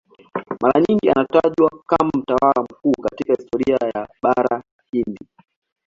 Mara nyingi anatajwa kama mtawala mkuu katika historia ya Bara Hindi.